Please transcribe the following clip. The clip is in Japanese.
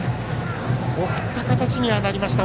送った形にはなりました。